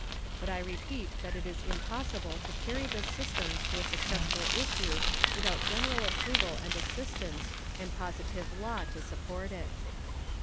But I repeat that it is impossible to carry this system to a successful issue without general approval and assistance and positive law to support it.